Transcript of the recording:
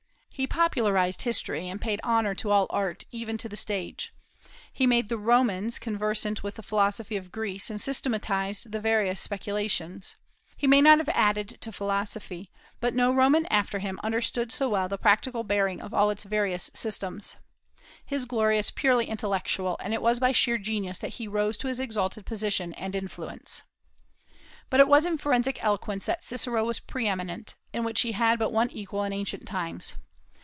He popularized history, and paid honor to all art, even to the stage; he made the Romans conversant with the philosophy of Greece, and systematized the various speculations. He may not have added to philosophy, but no Roman after him understood so well the practical bearing of all its various systems. His glory is purely intellectual, and it was by sheer genius that he rose to his exalted position and influence. But it was in forensic eloquence that Cicero was pre eminent, in which he had but one equal in ancient times.